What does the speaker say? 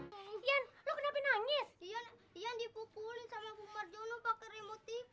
hai hai hai yen lo kenapa nangis yen yen di pukulin sama bu marjono pakai remote tv